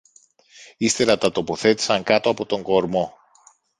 Ύστερα τα τοποθέτησαν κάτω από τον κορμό